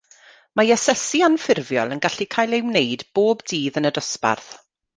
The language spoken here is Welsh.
Mae asesu anffurfiol yn gallu cael ei wneud bob dydd yn y dosbarth